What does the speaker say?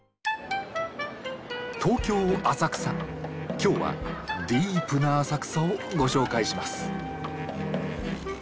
今日はディープな浅草をご紹介します。